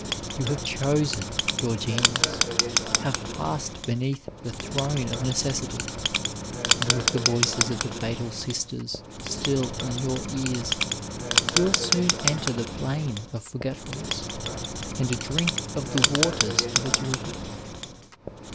Tou have chosen your Genius, have passed beneath the Throne of Necessity, and with the voices of the htal sisters still in your ears, will soon enter the plain of Forgetfulness and drink of the waters of its river.